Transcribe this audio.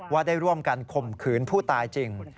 ว่าได้ร่วมกันข่มขืนผู้ตายจริง